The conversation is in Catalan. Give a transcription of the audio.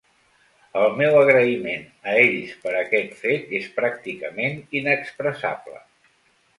El meu agraïment a ells per aquest fet és pràcticament inexpressable.